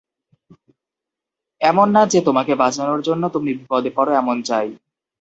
এমন না যে তোমাকে বাঁচানোর জন্য তুমি বিপদে পড়ো এমন চাই।